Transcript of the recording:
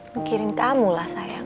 mikirin kamu lah sayang